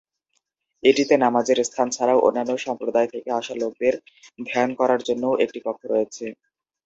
এটিতে নামাজের স্থান ছাড়াও, অন্যান্য সম্প্রদায় থেকে আসা লোকদের ধ্যান করার জন্যও একটি কক্ষ রয়েছে।